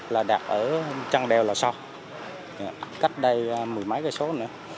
là đặt ở trăng đèo lò xo cách đây mười mấy km nữa